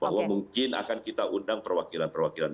bahwa mungkin akan kita undang perwakilan perwakilan